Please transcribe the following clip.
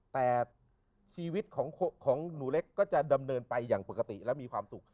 แต่ชีวิตของหนูเล็กก็จะดำเนินไปอย่างปกติและมีความสุข